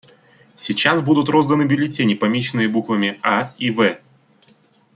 Сейчас будут розданы бюллетени, помеченные буквами «А» и «В».